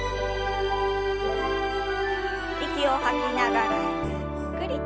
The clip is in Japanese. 息を吐きながらゆっくりと。